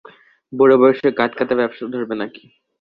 বুড়োবয়সে গাঁটকাটা ব্যাবসা ধরবে না কি?